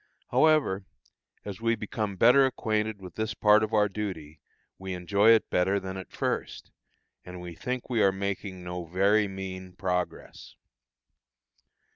However, as we become better acquainted with this part of our duty we enjoy it better than at first, and we think we are making no very mean progress.